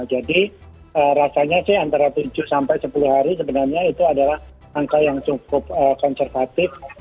jadi rasanya sih antara tujuh sampai sepuluh hari sebenarnya itu adalah angka yang cukup konservatif